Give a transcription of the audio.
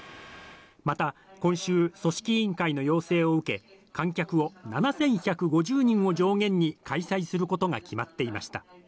また、今週組織委員会の要請を受け観客を７１５０人を上限に開催することが決まっていました。